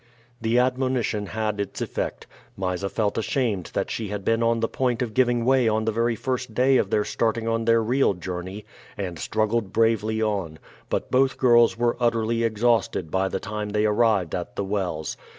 The admonition had its effect. Mysa felt ashamed that she had been on the point of giving way on the very first day of their starting on their real journey, and struggled bravely on; but both girls were utterly exhausted by the time they arrived at the wells.